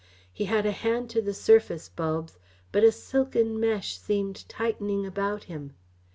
He had a hand to the surface bulbs, but a silken mesh seemed tightening about him.